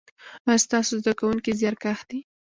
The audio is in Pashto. ایا ستاسو زده کونکي زیارکښ دي؟